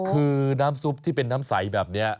คือน้ำซุปที่เป็นน้ำใสแบบนี้